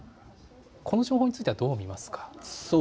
この情報についてはどう見ますか。